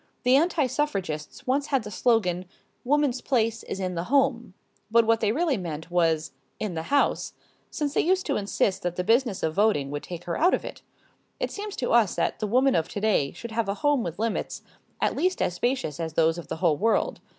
The anti suffragists once had the slogan "Woman's place is in the home," but what they really meant was "in the house," since they used to insist that the business of voting would take her out of it. It seems to us that the woman of to day should have a home with limits at least as spacious as those of the whole world.